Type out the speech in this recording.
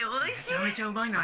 「めちゃめちゃうまいな」。